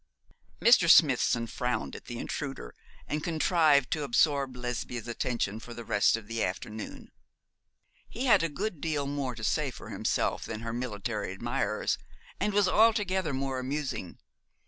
Mr. Smithson frowned at the intruder, and contrived to absorb Lesbia's attention for the rest of the afternoon. He had a good deal more to say for himself than her military admirers, and was altogether more amusing.